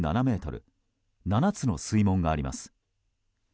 ７つの水門があります。